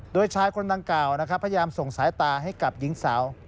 โดยชายคนนางเก่าพยายามส่งสายตาให้กับหญิงสาว